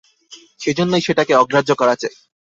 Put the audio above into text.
সেইজন্যেই সেটাকে অগ্রাহ্য করা চাই।